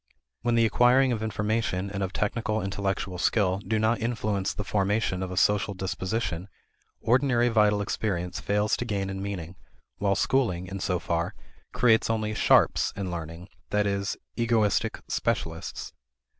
When the acquiring of information and of technical intellectual skill do not influence the formation of a social disposition, ordinary vital experience fails to gain in meaning, while schooling, in so far, creates only "sharps" in learning that is, egoistic specialists.